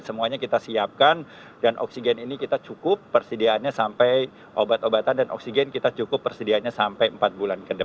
semuanya kita siapkan dan oksigen ini kita cukup persediaannya sampai obat obatan dan oksigen kita cukup persediaannya sampai empat bulan ke depan